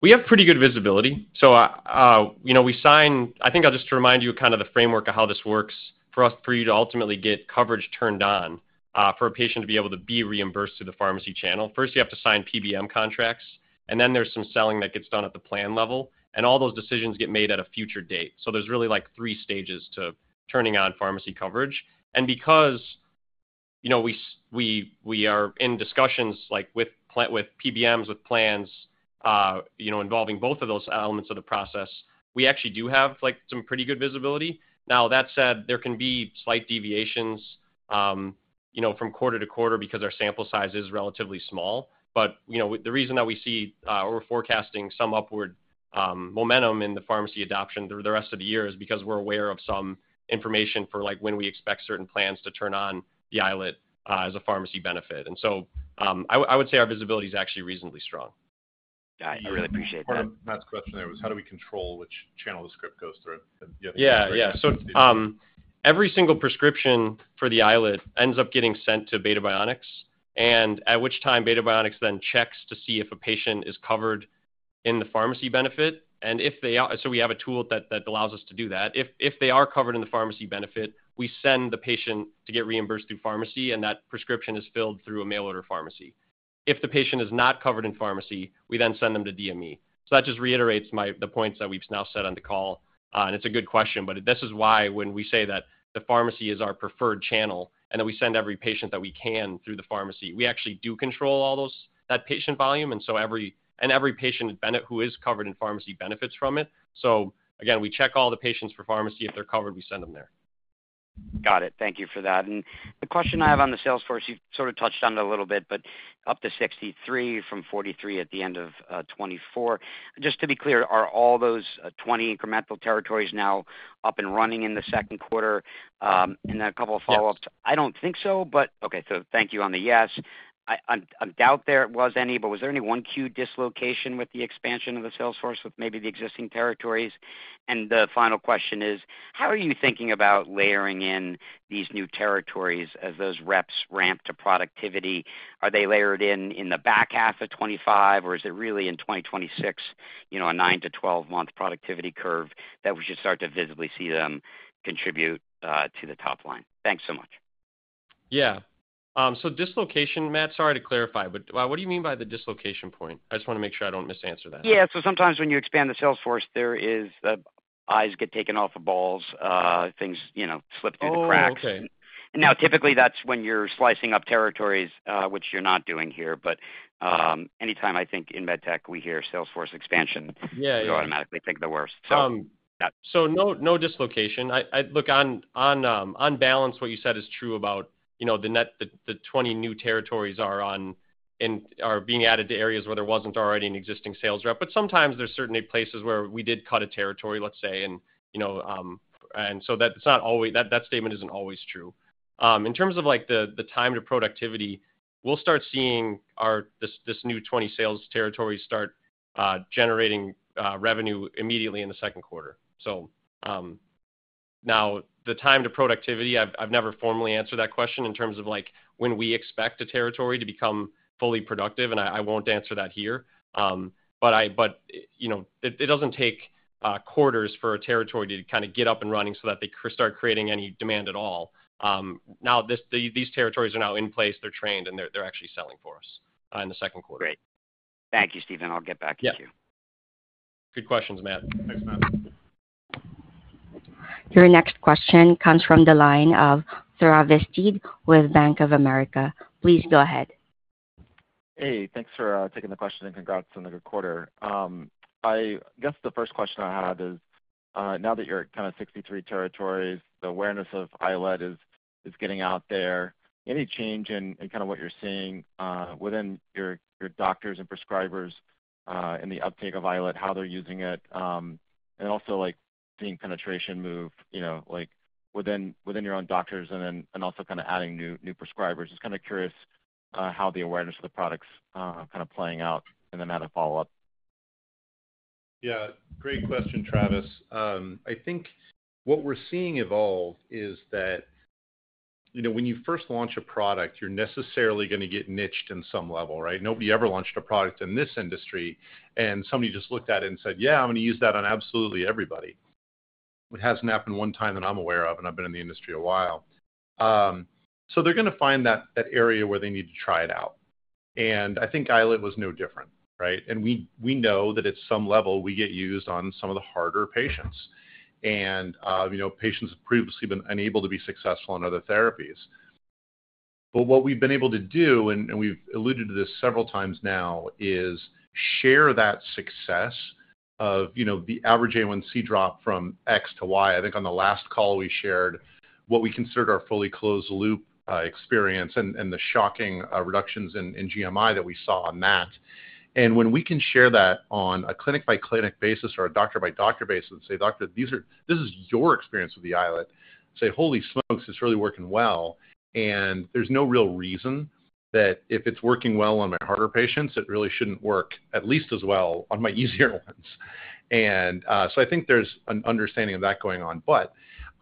We have pretty good visibility. I think I'll just remind you of kind of the framework of how this works for us for you to ultimately get coverage turned on for a patient to be able to be reimbursed through the pharmacy channel. First, you have to sign PBM contracts, and then there's some selling that gets done at the plan level, and all those decisions get made at a future date. There's really three stages to turning on pharmacy coverage. Because we are in discussions with PBMs, with plans involving both of those elements of the process, we actually do have some pretty good visibility. Now, that said, there can be slight deviations from quarter to quarter because our sample size is relatively small. The reason that we see or we're forecasting some upward momentum in the pharmacy adoption through the rest of the year is because we're aware of some information for when we expect certain plans to turn on the iLet as a pharmacy benefit. I would say our visibility is actually reasonably strong. Got it. I really appreciate that. Matt's question there was, how do we control which channel the script goes through? Yeah. Yeah. Every single prescription for the iLet ends up getting sent to Beta Bionics, at which time Beta Bionics then checks to see if a patient is covered in the pharmacy benefit. We have a tool that allows us to do that. If they are covered in the pharmacy benefit, we send the patient to get reimbursed through pharmacy, and that prescription is filled through a mail order pharmacy. If the patient is not covered in pharmacy, we then send them to DME. That just reiterates the points that we've now said on the call. It is a good question, but this is why when we say that the pharmacy is our preferred channel and that we send every patient that we can through the pharmacy, we actually do control all that patient volume, and every patient who is covered in pharmacy benefits from it. Again, we check all the patients for pharmacy. If they are covered, we send them there. Got it. Thank you for that. The question I have on the salesforce, you've sort of touched on it a little bit, but up to 63 from 43 at the end of 2024. Just to be clear, are all those 20 incremental territories now up and running in the second quarter? A couple of follow-ups. I don't think so, but okay. Thank you on the yes. I doubt there was any, but was there any Q1 dislocation with the expansion of the salesforce with maybe the existing territories? The final question is, how are you thinking about layering in these new territories as those reps ramp to productivity? Are they layered in in the back half of 2025, or is it really in 2026, a 9-12 month productivity curve that we should start to visibly see them contribute to the top line? Thanks so much. Yeah. So dislocation, Matt, sorry to clarify, but what do you mean by the dislocation point? I just want to make sure I don't misanswer that. Yeah. Sometimes when you expand the salesforce, eyes get taken off of balls. Things slip through the cracks. Now, typically, that's when you're slicing up territories, which you're not doing here, but anytime I think in med tech, we hear salesforce expansion, you automatically think the worst. No dislocation. Look, on balance, what you said is true about the 20 new territories are being added to areas where there was not already an existing sales rep. Sometimes there are certainly places where we did cut a territory, let's say, so that statement is not always true. In terms of the time to productivity, we will start seeing this new 20 sales territories start generating revenue immediately in the second quarter. Now, the time to productivity, I have never formally answered that question in terms of when we expect a territory to become fully productive, and I will not answer that here, but it does not take quarters for a territory to kind of get up and running so that they start creating any demand at all. These territories are now in place. They are trained, and they are actually selling for us in the second quarter. Great. Thank you, Stephen. I'll get back to you. Yeah. Good questions, Matt. Thanks, Matt. Your next question comes from the line of Travis Steed with Bank of America. Please go ahead. Hey, thanks for taking the question and congrats on the quarter. I guess the first question I have is, now that you're at kind of 63 territories, the awareness of iLet is getting out there. Any change in kind of what you're seeing within your doctors and prescribers in the uptake of iLet, how they're using it, and also seeing penetration move within your own doctors and also kind of adding new prescribers? Just kind of curious how the awareness of the product's kind of playing out and then how to follow up. Yeah. Great question, Travis. I think what we're seeing evolve is that when you first launch a product, you're necessarily going to get niched in some level, right? Nobody ever launched a product in this industry, and somebody just looked at it and said, yeah, I'm going to use that on absolutely everybody. It hasn't happened one time that I'm aware of, and I've been in the industry a while. They're going to find that area where they need to try it out. I think iLet was no different, right? We know that at some level, we get used on some of the harder patients and patients that have previously been unable to be successful in other therapies. What we've been able to do, and we've alluded to this several times now, is share that success of the average A1C drop from X to Y. I think on the last call, we shared what we considered our fully closed-loop experience and the shocking reductions in GMI that we saw on that. When we can share that on a clinic-by-clinic basis or a doctor-by-doctor basis and say, doctor, this is your experience with the iLet, they say, holy smokes, it's really working well. There is no real reason that if it's working well on my harder patients, it really shouldn't work at least as well on my easier ones. I think there is an understanding of that going on.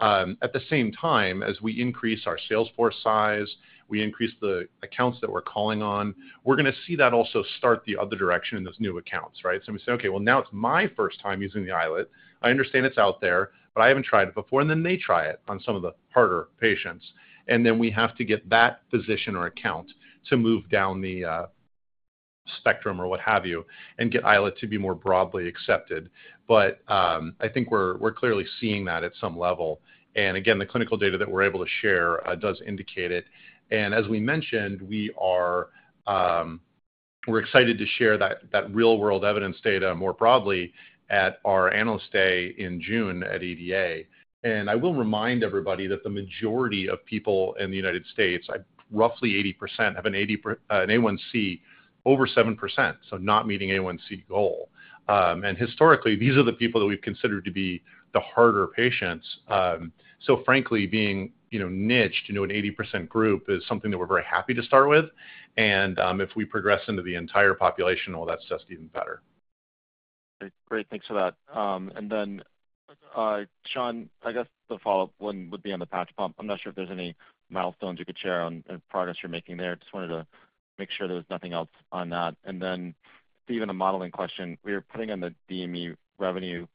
At the same time, as we increase our salesforce size, we increase the accounts that we are calling on, we are going to see that also start the other direction in those new accounts, right? We say, okay, now it's my first time using the iLet. I understand it's out there, but I haven't tried it before. And then they try it on some of the harder patients. And then we have to get that physician or account to move down the spectrum or what have you and get iLet to be more broadly accepted. But I think we're clearly seeing that at some level. And again, the clinical data that we're able to share does indicate it. And as we mentioned, we're excited to share that real-world evidence data more broadly at our analyst day in June at ADA. And I will remind everybody that the majority of people in the United States, roughly 80%, have an A1C over 7%, so not meeting A1C goal. And historically, these are the people that we've considered to be the harder patients. Frankly, being niched into an 80% group is something that we're very happy to start with. If we progress into the entire population, well, that's just even better. Great. Thanks for that. Sean, I guess the follow-up one would be on the patch pump. I'm not sure if there's any milestones you could share on progress you're making there. Just wanted to make sure there was nothing else on that. Stephen, a modeling question. We are putting in the DME revenue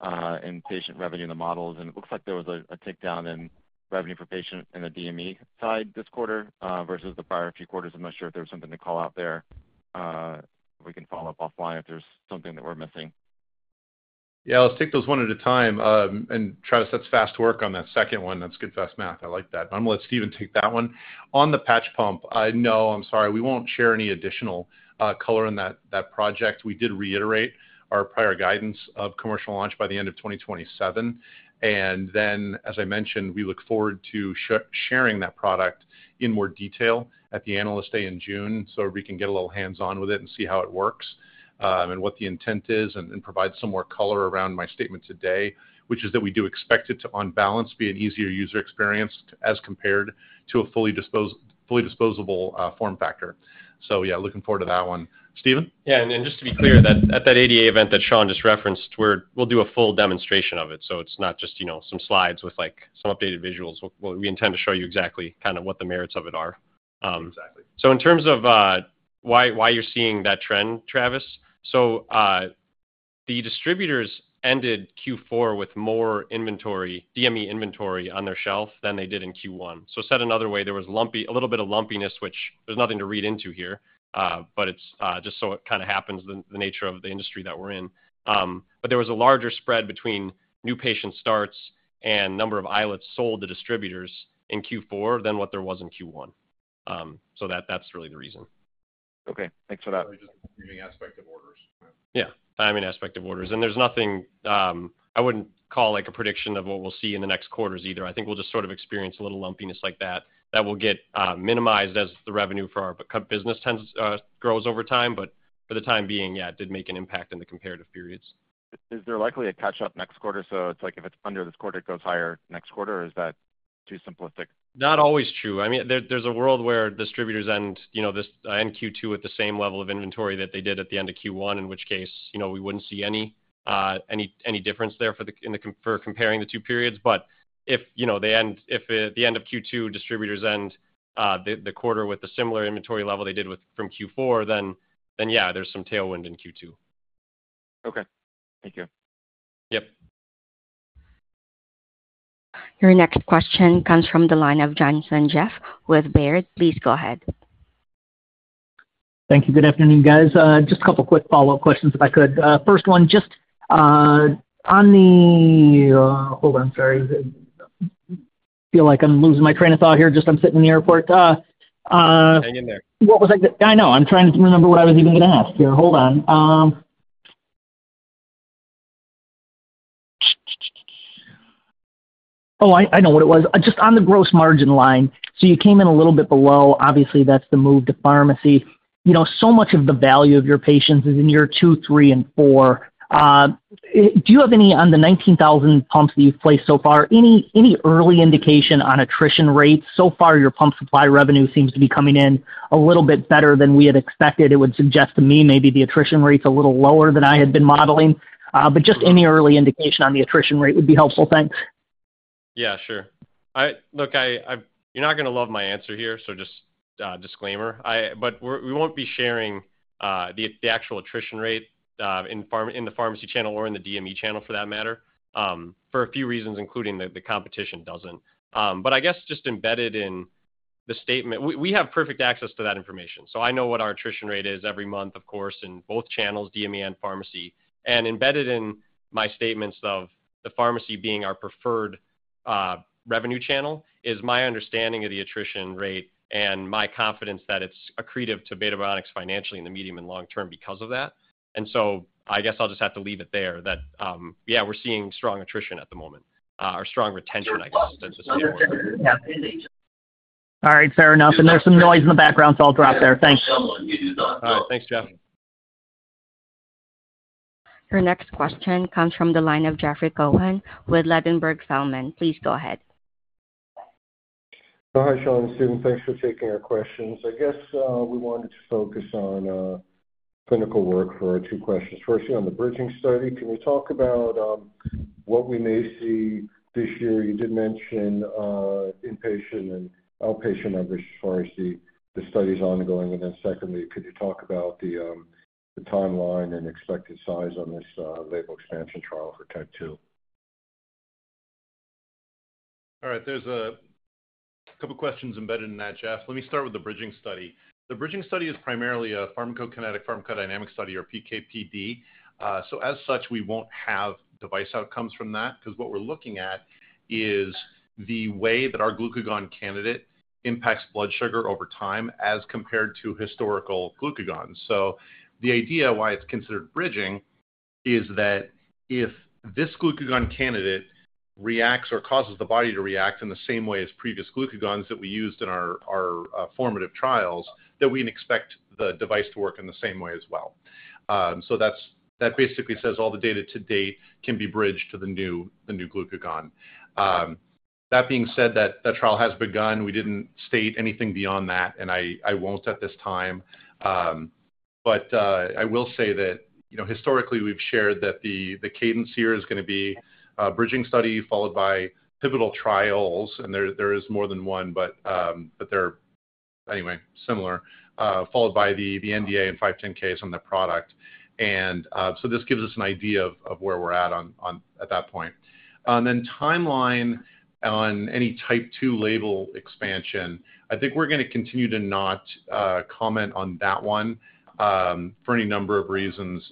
and patient revenue in the models, and it looks like there was a takedown in revenue for patient inthe DME side this quarter versus the prior few quarters. I'm not sure if there was something to call out there. We can follow up offline if there's something that we're missing. Yeah. Let's take those one at a time and try to set fast work on that second one. That's good fast math. I like that. I'm going to let Stephen take that one. On the patch pump, I know, I'm sorry, we won't share any additional color on that project. We did reiterate our prior guidance of commercial launch by the end of 2027. As I mentioned, we look forward to sharing that product in more detail at the analyst day in June so we can get a little hands-on with it and see how it works and what the intent is and provide some more color around my statement today, which is that we do expect it to, on balance, be an easier user experience as compared to a fully disposable form factor. Yeah, looking forward to that one. Stephen? Yeah. And just to be clear, at that ADA event that Sean just referenced, we'll do a full demonstration of it. So it's not just some slides with some updated visuals. We intend to show you exactly kind of what the merits of it are. In terms of why you're seeing that trend, Travis, the distributors ended Q4 with more DME inventory on their shelf than they did in Q1. Said another way, there was a little bit of lumpiness, which there's nothing to read into here, but it just kind of happens, the nature of the industry that we're in. There was a larger spread between new patient starts and number of iLets sold to distributors in Q4 than what there was in Q1. That's really the reason. Okay. Thanks for that. Or just the timing aspect of orders. Yeah. Timing aspect of orders. There's nothing I wouldn't call a prediction of what we'll see in the next quarters either. I think we'll just sort of experience a little lumpiness like that. That will get minimized as the revenue for our business grows over time. For the time being, yeah, it did make an impact in the comparative periods. Is there likely a catch-up next quarter? It's like if it's under this quarter, it goes higher next quarter, or is that too simplistic? Not always true. I mean, there's a world where distributors end Q2 with the same level of inventory that they did at the end of Q1, in which case we wouldn't see any difference there for comparing the two periods. If at the end of Q2 distributors end the quarter with a similar inventory level they did from Q4, then yeah, there's some tailwind in Q2. Okay. Thank you. Yep. Your next question comes from the line of Jeff Johnson with Baird. Please go ahead. Thank you. Good afternoon, guys. Just a couple of quick follow-up questions if I could. First one, just on the hold on, sorry. I feel like I'm losing my train of thought here. Just I'm sitting in the airport. Hang in there. I know what it was. I know. I'm trying to remember what I was even going to ask here. Hold on. Oh, I know what it was. Just on the gross margin line, you came in a little bit below. Obviously, that's the move to pharmacy. So much of the value of your patients is in year two, three, and four. Do you have any on the 19,000 pumps that you've placed so far. Any early indication on attrition rates? So far, your pump supply revenue seems to be coming in a little bit better than we had expected. It would suggest to me maybe the attrition rate's a little lower than I had been modeling. Just any early indication on the attrition rate would be helpful. Thanks. Yeah. Sure. Look, you're not going to love my answer here, so just disclaimer. We won't be sharing the actual attrition rate in the pharmacy channel or in the DME channel for that matter for a few reasons, including that the competition doesn't. I guess just embedded in the statement, we have perfect access to that information. I know what our attrition rate is every month, of course, in both channels, DME and pharmacy. Embedded in my statements of the pharmacy being our preferred revenue channel is my understanding of the attrition rate and my confidence that it's accretive to Beta Bionics financially in the medium and long term because of that. I guess I'll just have to leave it there that, yeah, we're seeing strong attrition at the moment or strong retention, I guess, at this point. All right. Fair enough. There's some noise in the background, so I'll drop there. Thanks. All right. Thanks, Jeff. Your next question comes from the line of Jeffrey Cohen with Leerink Partners. Please go ahead. Hi, Sean and Stephen. Thanks for taking our questions. I guess we wanted to focus on clinical work for our two questions. Firstly, on the bridging study, can you talk about what we may see this year? You did mention inpatient and outpatient numbers as far as the study's ongoing. Secondly, could you talk about the timeline and expected size on this label expansion trial for type 2? All right. There's a couple of questions embedded in that, Jeff. Let me start with the bridging study. The bridging study is primarily a pharmacokinetic pharmacodynamic study or PKPD. As such, we won't have device outcomes from that because what we're looking at is the way that our glucagon candidate impacts blood sugar over time as compared to historical glucagon. The idea why it's considered bridging is that if this glucagon candidate reacts or causes the body to react in the same way as previous glucagons that we used in our formative trials, we can expect the device to work in the same way as well. That basically says all the data to date can be bridged to the new glucagon. That being said, that trial has begun. We didn't state anything beyond that, and I won't at this time. I will say that historically, we've shared that the cadence here is going to be a bridging study followed by pivotal trials. There is more than one, but they're anyway similar, followed by the NDA and 510(k)s on the product. This gives us an idea of where we're at at that point. Timeline on any type 2 label expansion, I think we're going to continue to not comment on that one for any number of reasons,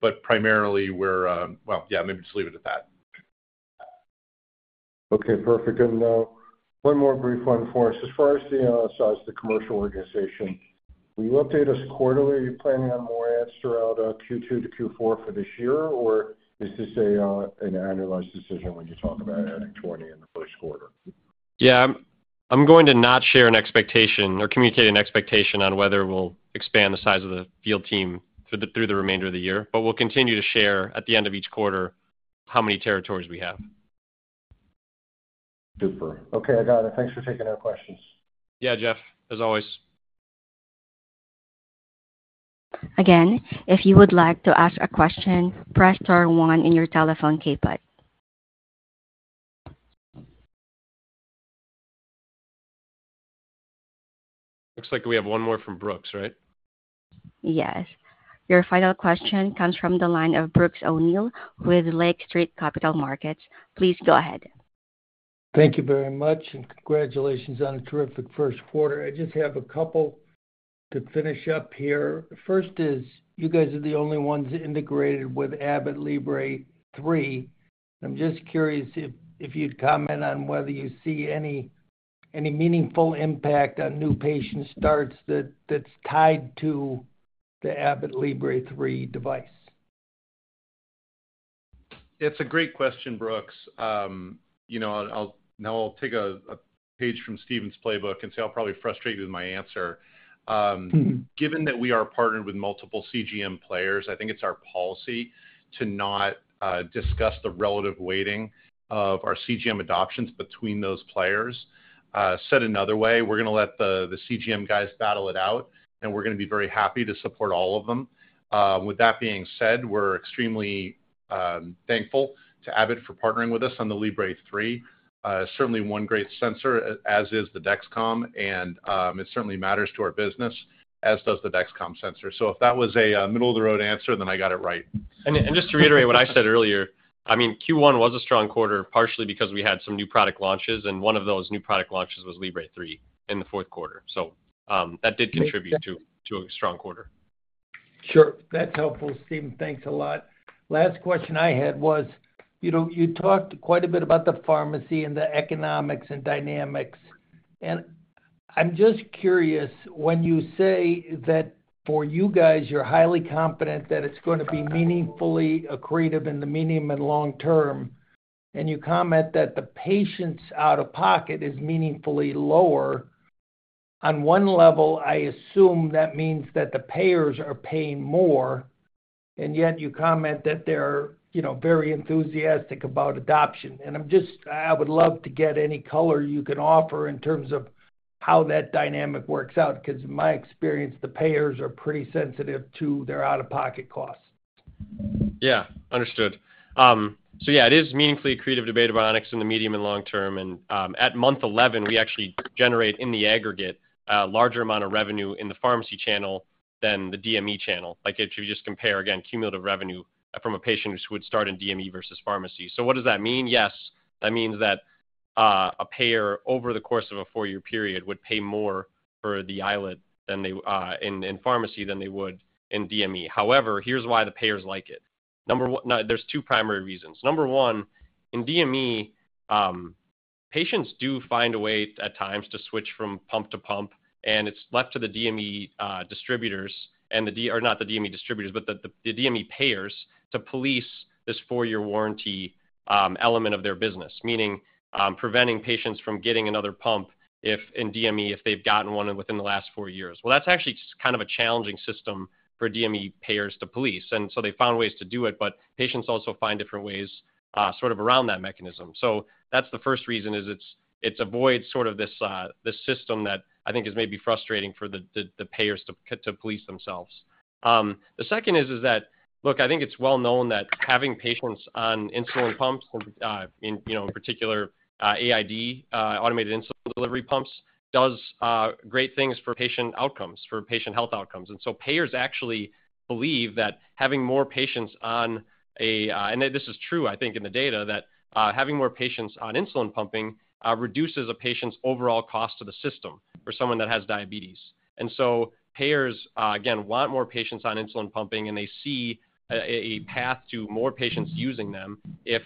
but primarily, we're, yeah, maybe just leave it at that. Okay. Perfect. One more brief one for us. As far as the size of the commercial organization, will you update us quarterly? Are you planning on more ads throughout Q2 to Q4 for this year, or is this an annualized decision when you talk about adding 20 in the first quarter? Yeah. I'm going to not share an expectation or communicate an expectation on whether we'll expand the size of the field team through the remainder of the year. We'll continue to share at the end of each quarter how many territories we have. Super. Okay. I got it. Thanks for taking our questions. Yeah, Jeff, as always. Again, if you would like to ask a question, press star one on your telephone keypad. Looks like we have one more from Brooks, right? Yes. Your final question comes from the line of Brooks O'Neill with Lake Street Capital Markets. Please go ahead. Thank you very much, and congratulations on a terrific first quarter. I just have a couple to finish up here. First is you guys are the only ones integrated with Abbott Libre 3. I'm just curious if you'd comment on whether you see any meaningful impact on new patient starts that's tied to the Abbott Libre 3 device. It's a great question, Brooks. Now, I'll take a page from Stephen's playbook and say I'll probably frustrate you with my answer. Given that we are partnered with multiple CGM players, I think it's our policy to not discuss the relative weighting of our CGM adoptions between those players. Said another way, we're going to let the CGM guys battle it out, and we're going to be very happy to support all of them. With that being said, we're extremely thankful to Abbott for partnering with us on the Freestyle Libre 3. Certainly one great sensor, as is the Dexcom, and it certainly matters to our business, as does the Dexcom sensor. If that was a middle-of-the-road answer, then I got it right. Just to reiterate what I said earlier, I mean, Q1 was a strong quarter partially because we had some new product launches, and one of those new product launches was Libre 3 in the fourth quarter. That did contribute to a strong quarter. Sure. That's helpful, Stephen. Thanks a lot. Last question I had was you talked quite a bit about the pharmacy and the economics and dynamics. I'm just curious, when you say that for you guys, you're highly confident that it's going to be meaningfully accretive in the medium and long term, and you comment that the patients' out-of-pocket is meaningfully lower, on one level, I assume that means that the payers are paying more, and yet you comment that they're very enthusiastic about adoption. I would love to get any color you can offer in terms of how that dynamic works out because, in my experience, the payers are pretty sensitive to their out-of-pocket costs. Yeah. Understood. Yeah, it is meaningfully accretive to Beta Bionics in the medium and long term. At month 11, we actually generate in the aggregate a larger amount of revenue in the pharmacy channel than the DME channel. If you just compare, again, cumulative revenue from a patient who would start in DME versus pharmacy. What does that mean? Yes. That means that a payer over the course of a four-year period would pay more for the iLet in pharmacy than they would in DME. However, here's why the payers like it. There are two primary reasons. Number one, in DME, patients do find a way at times to switch from pump to pump, and it's left to the DME distributors or not the DME distributors, but the DME payers to police this four-year warranty element of their business, meaning preventing patients from getting another pump in DME if they've gotten one within the last four years. That is actually kind of a challenging system for DME payers to police. They found ways to do it, but patients also find different ways sort of around that mechanism. That is the first reason is it avoids sort of this system that I think is maybe frustrating for the payers to police themselves. The second is that, look, I think it's well known that having patients on insulin pumps, in particular, AID, automated insulin delivery pumps, does great things for patient outcomes, for patient health outcomes. Payers actually believe that having more patients on a, and this is true, I think, in the data—that having more patients on insulin pumping reduces a patient's overall cost to the system for someone that has diabetes. Payers, again, want more patients on insulin pumping, and they see a path to more patients using them if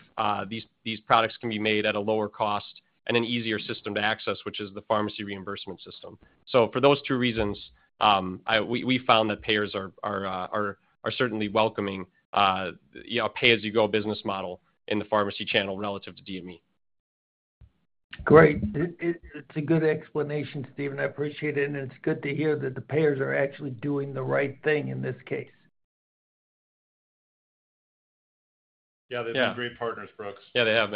these products can be made at a lower cost and an easier system to access, which is the pharmacy reimbursement system. For those two reasons, we found that payers are certainly welcoming a pay-as-you-go business model in the pharmacy channel relative to DME. Great. It's a good explanation, Stephen. I appreciate it. It's good to hear that the payers are actually doing the right thing in this case. Yeah. They've been great partners, Brooks. Yeah, they have.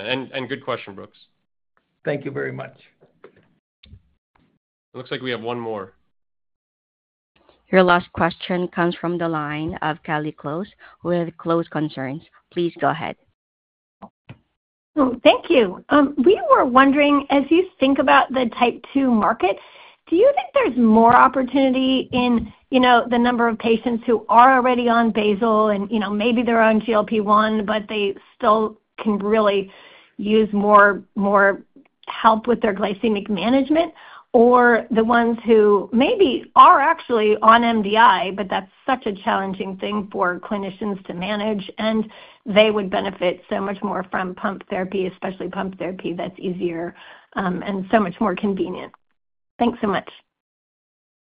Good question, Brooks. Thank you very much. It looks like we have one more. Your last question comes from the line of Kelly Close with Close Concerns. Please go ahead. Thank you. We were wondering, as you think about the type 2 market, do you think there's more opportunity in the number of patients who are already on basal and maybe they're on GLP-1, but they still can really use more help with their glycemic management? Or the ones who maybe are actually on MDI, but that's such a challenging thing for clinicians to manage, and they would benefit so much more from pump therapy, especially pump therapy that's easier and so much more convenient. Thanks so much.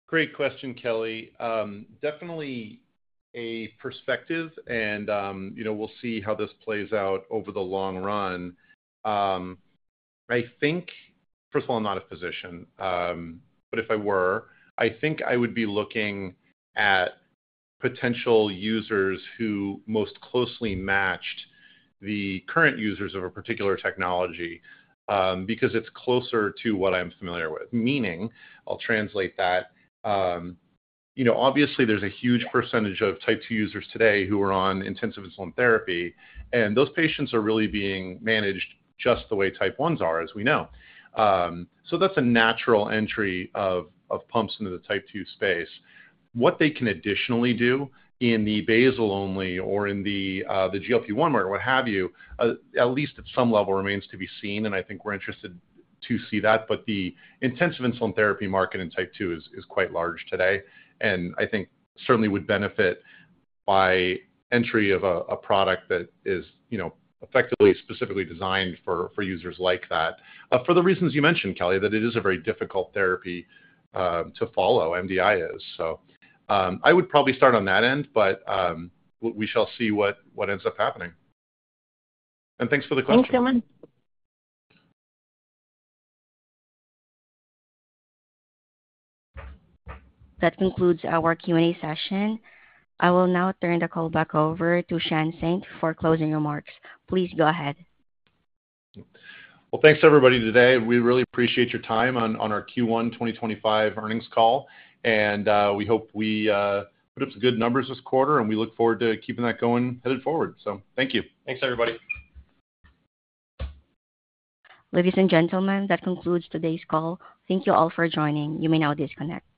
Great question, Kelly. Definitely a perspective, and we'll see how this plays out over the long run. I think, first of all, I'm not a physician, but if I were, I think I would be looking at potential users who most closely matched the current users of a particular technology because it's closer to what I'm familiar with. Meaning, I'll translate that. Obviously, there's a huge percentage of type 2 users today who are on intensive insulin therapy, and those patients are really being managed just the way type 1s are, as we know. That's a natural entry of pumps into the type 2 space. What they can additionally do in the basal-only or in the GLP-1 market, what have you, at least at some level, remains to be seen, and I think we're interested to see that. The intensive insulin therapy market in type 2 is quite large today, and I think certainly would benefit by entry of a product that is effectively specifically designed for users like that. For the reasons you mentioned, Kelly, that it is a very difficult therapy to follow, MDI is. I would probably start on that end, but we shall see what ends up happening. Thanks for the question. Thanks, Sean. That concludes our Q&A session. I will now turn the call back over to Sean Saint for closing remarks. Please go ahead. Thanks, everybody, today. We really appreciate your time on our Q1 2025 Earnings Call, and we hope we put up some good numbers this quarter, and we look forward to keeping that going headed forward. Thank you. Thanks, everybody. Ladies and gentlemen, that concludes today's call. Thank you all for joining. You may now disconnect.